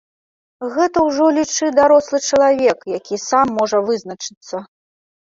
Гэта ўжо, лічы, дарослы чалавек, які сам можа вызначыцца.